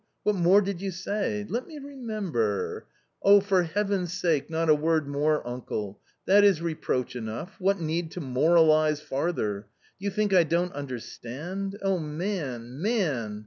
What more did you say? Let me remember "" For Heaven's sake, not a word more, uncle ; that is reproach enough ; what need to moralise farther ? Do you think I don't understand. O man, man